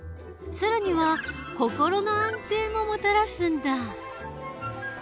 更には心の安定ももたらすんだ。